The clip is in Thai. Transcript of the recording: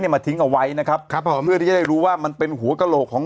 มาทิ้งเอาไว้นะครับครับผมเพื่อที่จะได้รู้ว่ามันเป็นหัวกระโหลกของ